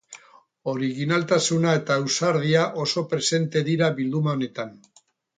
Originaltasuna eta ausardia oso presente dira bilduma honetan.